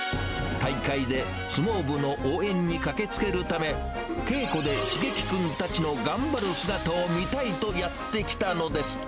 大会で相撲部の応援に駆けつけるため、稽古で蒼基君たちの頑張る姿を見たいとやって来たのです。